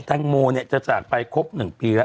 แตงโมเนี่ยจะจากไปครบ๑ปีแล้ว